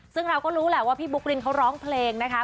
ซึ่งเราก็รู้แหละว่าพี่บุ๊กลินเขาร้องเพลงนะคะ